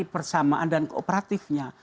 persamaan dan kooperatifnya